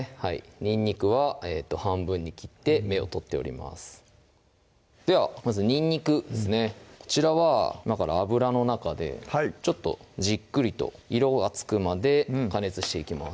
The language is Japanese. にんにくは半分に切って芽を取っておりますではまずにんにくですねこちらは今から油の中でちょっとじっくりと色がつくまで加熱していきます